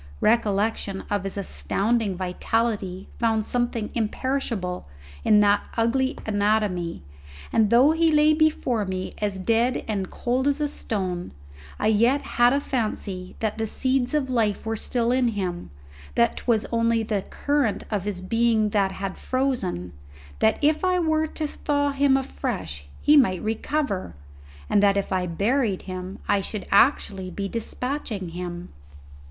Recollection of his astounding vitality found something imperishable in that ugly anatomy, and though he lay before me as dead and cold as stone, I yet had a fancy that the seeds of life were still in him, that 'twas only the current of his being that had frozen, that if I were to thaw him afresh he might recover, and that if I buried him I should actually be despatching him.